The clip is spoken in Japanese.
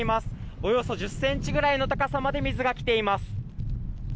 およそ１０ｃｍぐらいの高さまで水がきています。